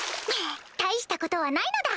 大したことはないのだ